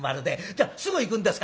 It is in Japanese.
「じゃあすぐ行くんですか？」。